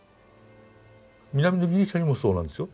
南のギリシャにもそうなんですよ。